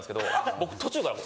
僕途中から。